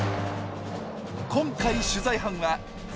今回取材班は絶景